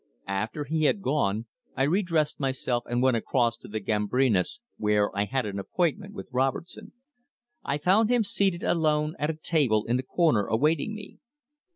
After he had gone, I re dressed myself and went across to the Gambrinus, where I had an appointment with Robertson. I found him seated alone at a table in the corner awaiting me.